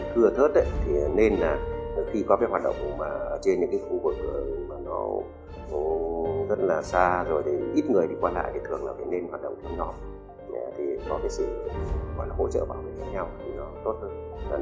khi có cái hoạt động trên những khu gội cửa mà nó rất là xa rồi thì ít người đi qua lại thì thường là phải nên hoạt động thêm nhỏ để có cái sự hỗ trợ bảo vệ nhau thì nó tốt hơn